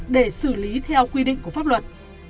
để xử lý theo quy định của pháp luật